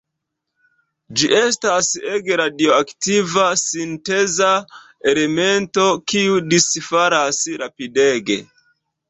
Ĝi estas ege radioaktiva sinteza elemento, kiu disfalas rapidege.